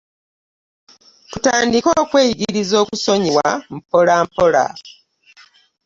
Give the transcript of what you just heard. Tutandike okweyigiriza okusonyiwa mpola mpola.